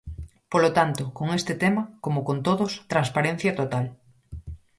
Polo tanto, con este tema, como con todos, transparencia total.